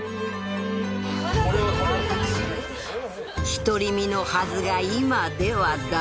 独り身のはずが今では大家族